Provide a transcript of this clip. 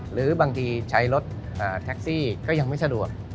หรือบางทีใช้รถแท็กซี่ก็ยังไม่สะดวก